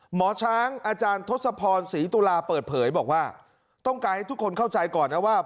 หมอช้างอาจารย์ทศพรศรีตุลาเปิดเผยบอกว่าต้องการให้ทุกคนเข้าใจก่อนนะว่า